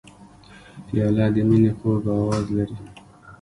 پیاله د مینې خوږ آواز لري.